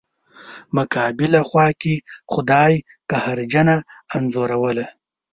مقابله خوا کې خدای قهرجنه انځوروله.